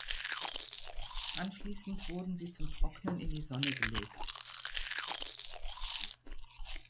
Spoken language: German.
Anschließend wurden sie zum Trocknen in die Sonne gelegt.